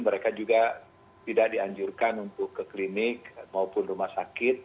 mereka juga tidak dianjurkan untuk ke klinik maupun rumah sakit